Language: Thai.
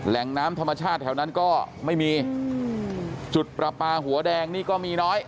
แหล่งน้ำธรรมชาติแถวนั้นก็ไม่มีจุดประปาหัวแดงนี่ก็มีน้อย